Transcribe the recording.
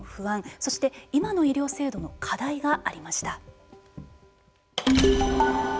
そして今の医療制度の課題がありました。